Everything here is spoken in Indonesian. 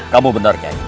kamu benar nyai